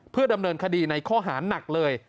เพื่อดำเนินคดีในข้อหาหนักเลย